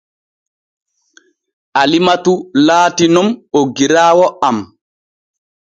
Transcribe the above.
Alimatu laati nun oggiraawo am.